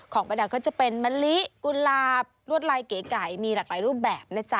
ประดับก็จะเป็นมะลิกุหลาบลวดลายเก๋ไก่มีหลากหลายรูปแบบนะจ๊